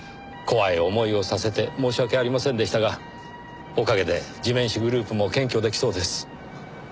怖い思いをさせて申し訳ありませんでしたがおかげで地面師グループも検挙出来そうです。